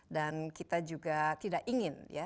dan kita juga tidak ingin